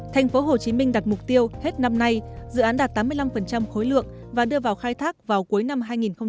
tp hcm đặt mục tiêu hết năm nay dự án đạt tám mươi năm khối lượng và đưa vào khai thác vào cuối năm hai nghìn hai mươi